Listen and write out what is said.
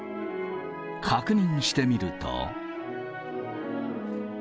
確認してみると。